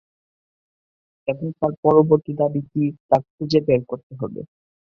এবং তার পরবর্তী দাবি কি তা খুঁজে বের করতে হবে।